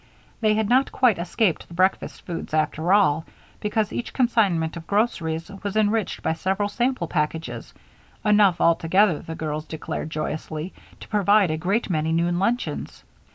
They had not quite escaped the breakfast foods after all, because each consignment of groceries was enriched by several sample packages; enough altogether, the girls declared joyously, to provide a great many noon luncheons.